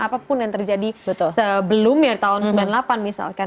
dan apapun yang terjadi sebelumnya tahun sembilan puluh delapan misalkan